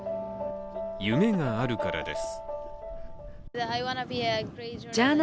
夢があるからです。